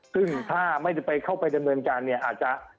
ซึ่งถ้าไม่ได้ไปเข้าไปดำเนินการเนี่ยอาจจะ